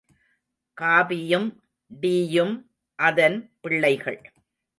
காபியும் டீயும் அதன் பிள்ளைகள்.